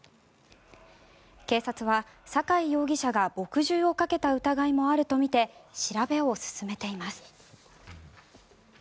警察は酒井容疑者が墨汁をかけた疑いもあるとみて調べを進めています。